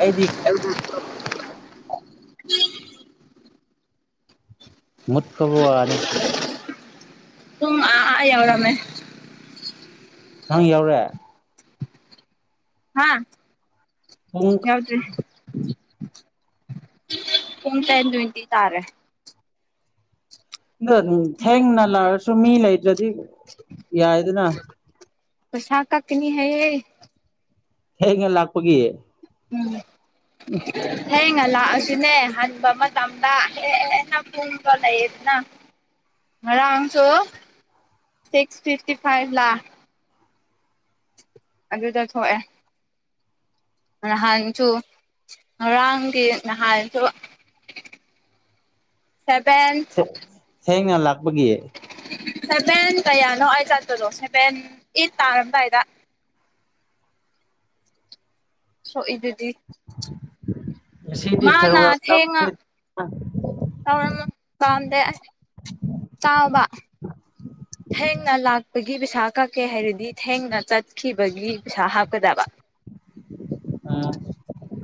ꯑꯩꯗꯤ ꯍ ꯊ ꯃꯨꯠꯈꯔꯕꯥ ꯋ꯭ꯅꯦ ꯄꯨꯡ ꯑꯃꯥ ꯌꯧꯔꯝꯃꯦ ꯅꯪ ꯌꯧꯔꯦ ꯍꯥꯥ ꯄꯨꯡ ꯌꯧꯗꯔꯤ ꯄꯨꯡ ꯁꯥꯕꯦꯟ ꯇꯤꯟꯠꯌ ꯇꯥꯔꯦ ꯑ ꯊꯦꯡꯅ ꯂꯥꯛꯑꯁꯨ ꯃꯤ ꯂꯩꯇ꯭ꯔꯗꯤ ꯌꯥꯏꯗꯅ ꯄꯩꯁꯥ ꯀꯛꯀꯅꯤ ꯍꯥꯏ ꯊꯦꯡꯅꯥ ꯂꯥꯛꯄꯒꯤ ꯎꯝ ꯎꯝ ꯊꯦꯡꯅ ꯂꯥꯛꯑꯁꯨꯅꯦ ꯍꯟꯕ ꯃꯇꯝꯗ ꯍꯦ ꯍꯦꯟꯅ ꯄꯨꯨꯡꯕ ꯂꯩꯌꯦꯗꯅ ꯉꯔꯥꯡꯁꯨ ꯁꯤꯁ ꯐꯤꯐꯇꯤ ꯐꯥꯏꯚ ꯂ ꯑꯗꯨꯗ ꯊꯣꯛꯑꯦ ꯅꯍꯥꯟꯁꯨ ꯉꯔꯥꯡꯒꯤ ꯅꯍꯥꯟꯁꯨ ꯁꯕꯦꯟ ꯊꯦꯡꯅ ꯂꯥꯛꯄꯒꯤ ꯁꯦꯚꯦꯟ ꯀꯌꯥꯅꯣ ꯑꯩ ꯆꯠꯄꯗꯣ ꯁꯦꯚꯦꯟ ꯑꯩꯠ ꯇꯥꯔꯝꯗꯥꯏꯗ ꯁꯣꯀꯦꯗꯨꯗꯤ ꯁꯤꯗꯤ ꯗꯥꯏꯔꯤꯜꯂ ꯇꯝꯕꯗꯦ ꯆꯥꯕ ꯊꯦꯡꯅ ꯂꯥꯛꯄꯒꯤ ꯄꯩꯁꯥ ꯀꯛꯀꯦ ꯍꯥꯏꯔꯗꯤ ꯊꯦꯡꯅ ꯆꯠꯈꯤꯕ ꯩ ꯍꯥꯞꯀꯗꯕ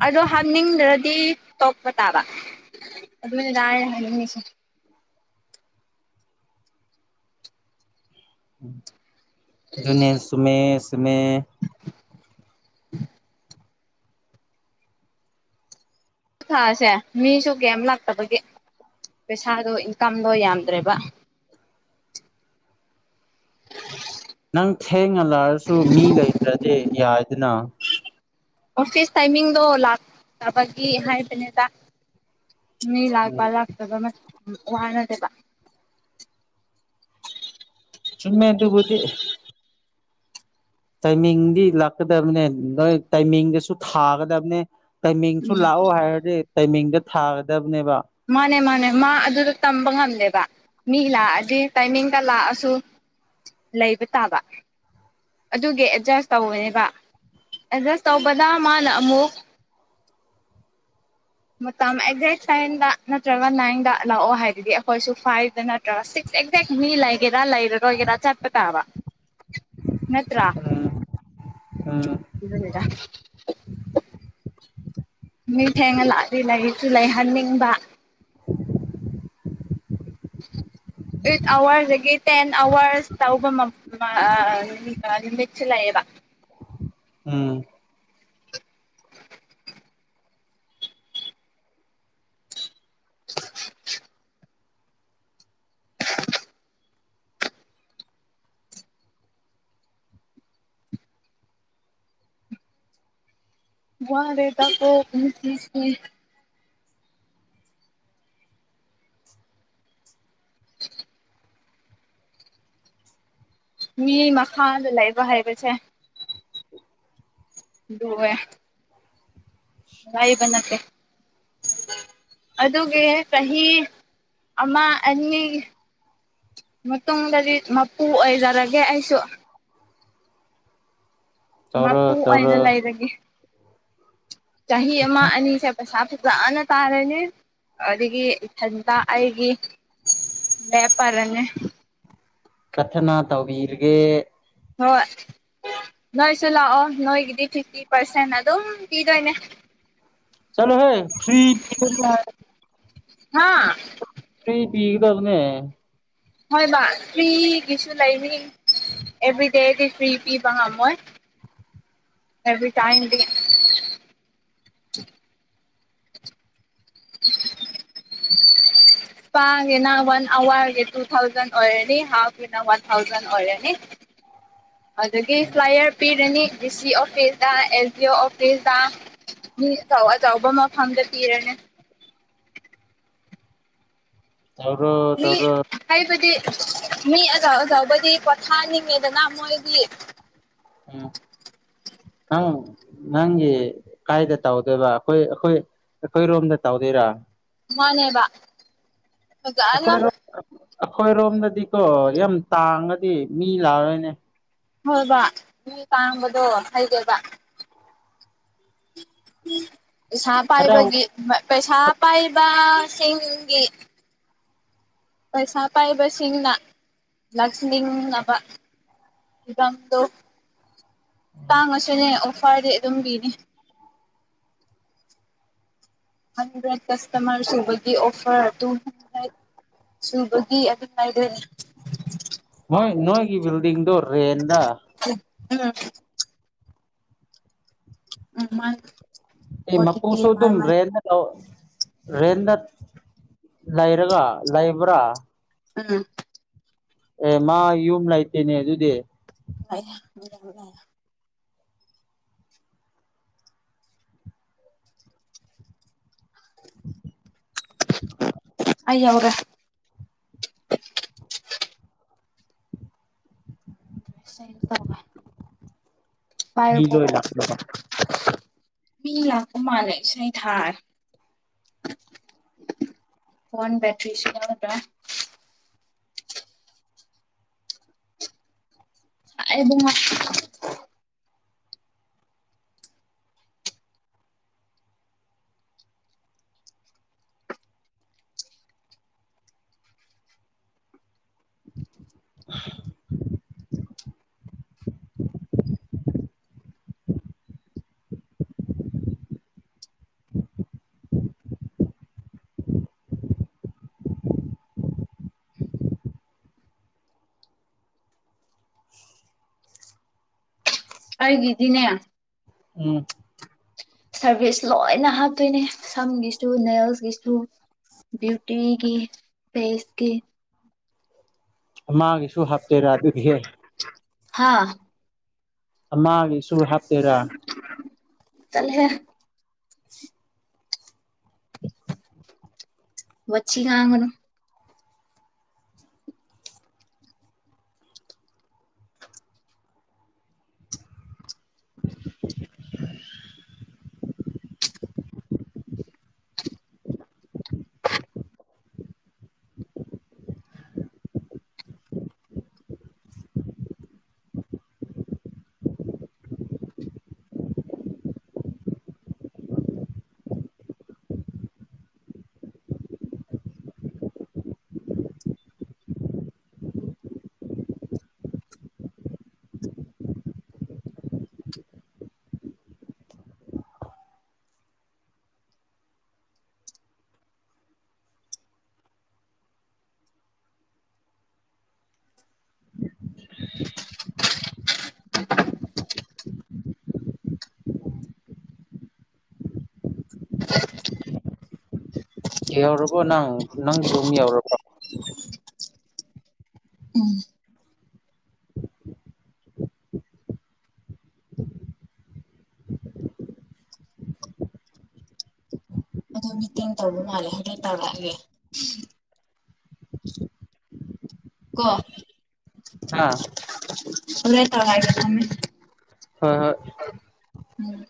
ꯑꯗꯣ ꯍꯥꯞꯅꯤꯡꯗ꯭ꯔ ꯤ ꯇꯣꯛꯄ ꯇꯥꯕ ꯑꯗꯨꯃꯥꯏꯅꯗꯥꯅ ꯍꯥꯏꯅꯤꯡꯉꯁꯦ ꯅꯦ ꯁꯃꯦ ꯁꯃꯦ ꯊꯥꯁꯦ ꯃꯤꯁꯨ ꯀꯩ ꯂꯥꯛꯇꯕꯒꯦ ꯄꯩꯁꯥꯗꯣ ꯏꯟꯀꯝꯗꯣ ꯌꯥꯝꯗ꯭ꯔꯦꯕ [inaudible] [unintelligible] ꯅꯪ ꯊꯦꯡꯅꯜꯂꯔꯁꯨ ꯃꯤ ꯂꯩꯇ꯭ꯔꯗꯤ ꯌꯥꯏꯗꯅ ꯑꯣꯐꯤꯁ ꯇꯥꯏꯃꯤꯡꯗꯣ ꯂꯥꯛꯇꯕꯒꯤ ꯍꯥꯏꯕꯅꯤꯗ ꯃꯤ ꯎꯝ ꯂꯥꯛꯄ ꯂꯥꯛꯇ ꯃ ꯋꯥꯅ ꯇꯕ ꯁꯨꯝꯃꯦ ꯑꯗꯨ ꯄꯗꯤ ꯇꯥꯏꯃꯤꯡꯗꯤ ꯂꯥꯛꯀꯗꯕꯅꯦ ꯅꯣꯏ ꯇꯥꯏꯃꯤꯡꯗꯁꯨ ꯊꯥꯒꯗꯕꯅꯦ ꯇꯥꯏꯃꯤꯡꯁꯨ ꯎꯝ ꯂꯥꯛꯑꯣ ꯍꯥꯏꯔꯗꯤ ꯇꯥꯏꯃꯤꯡꯗ ꯊꯥꯒꯗꯕ ꯃꯥꯅꯦ ꯃꯥꯅꯦ ꯃꯥ ꯑꯗꯨꯗ ꯇꯝꯕ ꯉꯝꯂꯦꯕ ꯃꯤ ꯂꯥꯛꯑꯗꯤ ꯇꯥꯏꯃꯤꯡꯒ ꯂꯥꯛꯑꯁꯨ ꯂꯩꯕ ꯇꯥꯕ ꯑꯗꯨꯒꯤ ꯑꯦꯠꯖꯁ ꯇꯧꯕꯅꯦꯕ ꯑꯦꯠꯖꯁ ꯇꯧꯕꯗ ꯃꯥꯅ ꯑꯃꯨꯛ ꯃꯇꯝ ꯑꯦꯛꯖꯦꯛ ꯁꯚꯦꯟꯗ ꯅꯠꯇ꯭ꯔꯒ ꯅꯥꯏꯟꯗ ꯂꯥꯛꯑꯣ ꯍꯥꯏꯗꯨꯗꯤ ꯑꯩꯈꯣꯏꯁꯨ ꯐꯥꯏꯚꯇ ꯅꯠꯇ꯭ꯔꯒ ꯁꯤꯛꯁ ꯑꯦꯛꯖ ꯃꯤ ꯂꯥꯏꯒꯦ ꯂ ꯏꯒꯒꯔ ꯆꯠ ꯇꯕ ꯅꯠꯇ꯭ꯔꯥ ꯎꯝ ꯎꯝ ꯏꯅꯤꯗ ꯃꯤ ꯊꯦꯡꯅ ꯂꯥꯛꯏ ꯂꯩꯁꯨ ꯂꯩꯍꯟꯅꯤꯡꯕ [unintelligible] [inaudible] ꯑꯩꯠ ꯑꯋꯥꯔꯁꯗꯒꯤ ꯇꯦꯟ ꯑꯋꯥꯔꯁ ꯇꯧꯕ ꯂꯤꯃꯤꯠꯁꯨ ꯂꯩꯌꯦꯕ [inaudible] [unintelligible] ꯎꯝ [unintelligible] [inaudible] ꯋꯥ ꯔꯦꯇꯥ ꯃꯁꯂꯤꯁꯀꯤ ꯃꯤ ꯃꯈꯥꯗ ꯂꯥꯏꯕ ꯍꯥꯏꯕꯁꯦ ꯣꯋꯦ ꯂꯏꯕꯅꯀꯦ ꯑꯗꯨꯒꯤ ꯆꯍꯤ ꯑꯃ ꯑꯅꯤ ꯃꯇꯨꯡꯗꯗꯤ ꯃꯄꯨ ꯑꯣꯏꯖꯔꯒꯦ ꯑꯩꯁꯨ ꯇꯧꯔꯣ ꯃꯄꯨ ꯇꯧꯔꯣ ꯑꯣꯏꯅ ꯂꯩꯔꯒꯦ ꯆꯍꯤ ꯑꯃ ꯑꯅꯤ ꯄꯩꯁꯥ ꯐꯖꯅ ꯇꯥꯔꯅꯤ ꯑꯗꯨꯗꯒꯤ ꯏꯊꯟꯇ ꯑꯩꯒꯤ ꯕꯄꯔꯟꯅ ꯀꯊꯅꯥ ꯇꯧꯕꯤꯤꯔꯒꯦ ꯍ ꯅꯣꯏꯁꯨ ꯂꯥꯛꯑꯣ ꯅꯣꯏꯒꯤꯗꯤ ꯐꯤꯐꯇꯤ ꯄꯥꯔꯁꯦꯟ ꯑꯗꯨꯝ ꯄꯤꯗꯣꯏꯅꯦ ꯆꯂꯣ ꯍꯦ ꯐꯔꯤ ꯍꯥꯥ ꯁꯤ ꯄꯤꯗ ꯑꯗꯨꯅ ꯍꯣꯏꯕ ꯐꯔꯤꯒꯤꯁꯨ ꯂꯩꯅꯤ ꯑꯦꯚ꯭ꯔꯤ ꯗꯦꯗꯤ ꯐꯔꯤ ꯄꯤꯕꯣꯏ ꯑꯦꯚꯔꯤ ꯇꯥꯏꯗꯤ [unintelligible] [inaudible] ꯄꯥꯒꯤꯅ ꯋꯥꯟ ꯑꯋꯥꯔꯒꯤ ꯇꯨ ꯊꯥꯎꯖꯟ ꯑꯣꯏꯔꯅꯤ ꯍꯥꯐꯀꯤꯅ ꯋꯥꯟ ꯊꯥꯎꯖꯟ ꯑꯣꯏꯔꯅꯤ ꯍꯧ ꯑꯗꯨꯗꯒꯤ ꯐ꯭ꯂꯥꯏꯔ ꯄꯤꯔꯅꯤ ꯗꯤ ꯁꯤ ꯑꯣꯐꯤꯁꯇ ꯑꯦꯜ ꯖꯤ ꯑꯣ ꯑꯣꯐꯤꯁꯇ ꯃꯤ ꯆꯥꯎ ꯑ ꯆꯥꯎꯕ ꯃꯐꯝꯗ ꯄꯤꯔꯅꯦ ꯇꯧꯔꯣ ꯃꯤ ꯇꯧꯔꯣ ꯍꯥꯏꯩꯕꯗꯤ ꯃꯤ ꯑꯖꯥꯎ ꯑꯖꯥꯎꯕꯗꯤ ꯄꯊꯥꯅꯤ ꯃꯦꯗꯅ ꯃꯣꯏꯗꯤ ꯎꯝ ꯑ ꯅꯪꯒꯤ ꯀꯥꯏꯗ ꯇꯧꯗꯣꯏꯕ ꯑꯩꯈꯣꯏ ꯑꯩꯈꯣꯏ ꯑꯩꯈꯣꯏ ꯔꯣꯝꯗ ꯇꯧꯗꯣꯏꯔꯥ ꯃꯥꯅꯦꯕ ꯑꯩꯈꯣꯏꯔꯣꯝ ꯑꯩꯈꯣꯏꯔꯣꯝꯗꯗꯤꯀꯣ ꯌꯥꯝ ꯇꯥꯡꯉꯗꯤ ꯃꯤ ꯂꯥꯛꯔꯣꯏꯅꯦ ꯍꯣꯏꯕ ꯃꯤ ꯇꯥꯡꯝꯕꯗꯣ ꯍꯩꯒꯦꯕ ꯄꯩꯁꯥ ꯈꯔ ꯄꯥꯏꯕꯒꯤ ꯄꯩꯁꯥ ꯄꯥꯏꯕ ꯁꯤ ꯄꯩꯁꯥ ꯄꯥꯏꯕꯁꯤꯡꯅ ꯂꯥꯛꯆꯅꯤꯡꯅꯕ ꯐꯝꯗꯣ ꯇꯥꯡꯉꯁꯨꯅꯦ ꯑꯣꯐꯔꯗꯤ ꯑꯗꯨꯝ ꯕꯤꯅꯤ ꯍꯟꯗ꯭ꯔꯦꯠ ꯀꯁꯇꯃꯔ ꯎꯕꯗꯤ ꯑꯣꯐꯔ ꯇꯨ ꯍꯟꯗ꯭ꯔꯦꯠ ꯁꯨꯕꯒꯤ ꯑꯗꯨꯉꯥꯏꯗ꯭ꯔꯅꯤ ꯅꯣꯏ ꯅꯣꯏꯒꯤ ꯕꯤꯜꯗꯤꯡꯗꯧꯔꯤ ꯌꯦꯟꯗ ꯑ ꯎ ꯃꯥ ꯑꯩ ꯃꯄꯨꯡ ꯁꯣ ꯑꯗꯨ ꯔꯦꯗ ꯔꯦꯗ ꯂꯩꯔꯒ ꯂꯩꯕ꯭ꯔꯥ ꯑꯝ ꯑꯦ ꯃꯥ ꯌꯨꯝ ꯂꯥꯛꯇꯦꯅꯦ ꯑꯗꯨꯗꯤ ꯃꯤꯉ [inaudible] [unintelligible] ꯑꯏ ꯌꯥꯎꯒꯦ [unintelligible] [inaudible] ꯑꯗꯨ꯭ꯔꯦ ꯑꯩꯅ ꯇꯧꯕ ꯃꯤ ꯂꯣꯏ ꯂꯥꯛꯂ ꯃꯤ ꯂꯀ ꯃꯥꯅꯁꯥꯏ ꯊꯔ ꯐꯣꯟ ꯕꯇꯔꯤ ꯁ ꯑꯦꯗ [inaudible] [unintelligible] ꯎꯝ ꯑꯩꯒꯗꯅꯦ ꯎꯝ ꯁꯔꯚꯤꯁ ꯂꯣꯏꯅ ꯍꯥꯞꯇꯣꯏꯅꯦ ꯁꯝꯒꯤꯁꯨ ꯅꯦꯜꯁꯀꯤꯁꯨ ꯕꯌꯨꯇꯤꯒꯤ ꯐꯦꯁꯀꯤ ꯃꯥꯒꯤꯁꯨ ꯍꯥꯞꯇꯦꯔꯥ ꯑꯗꯨꯗꯤ ꯍꯥꯥ ꯑꯃꯒꯤꯁꯨ ꯍꯥꯞꯇꯦꯔꯥ ꯇꯂꯦ [inaudible] [unintelligible] ꯃꯆꯤ ꯀꯒꯅ [inaudible] [unintelligible] ꯌꯥꯎꯔꯕꯣ ꯅꯪ ꯅꯪꯒꯤ ꯔꯨꯝ ꯌꯥꯎꯔꯕ ꯎꯝ ꯑꯗꯨ ꯃꯤꯇꯤꯡ ꯇꯧꯕ ꯃꯥꯜꯂꯦ ꯍꯧꯐꯛ ꯇꯧꯔꯛꯒꯦ ꯀꯣ ꯍꯥꯥ ꯍꯂꯦ ꯇꯧ ꯍꯥꯏꯒꯦ ꯊꯃꯦ ꯍꯣꯏ ꯍꯣꯏ ꯎꯝ